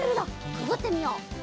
くぐってみよう。